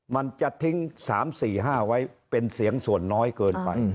มันจะทิ้ง๓๔๕ไว้เป็นเสียงส่วนน้อยเกินไป